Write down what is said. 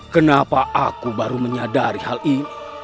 kenapa aku baru menyadari hal ini